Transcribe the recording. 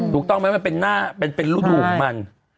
ถูกต้องมั้ยมันเป็นรูดหลุมมัน